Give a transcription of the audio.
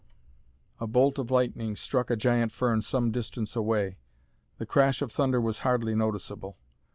A bolt of lightning struck a giant fern some distance away. The crash of thunder was hardly noticeable.